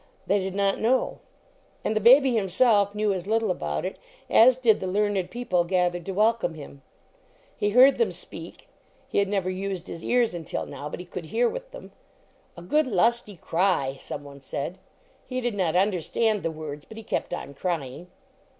They did not know. And the baby himself knew as little about it as did the learned people gathered to wel come him. He heard them speak. He had never used his ears until now, but he could hear with them. "A good lusty cry," some one said. He did not understand the words, but he kept on crying.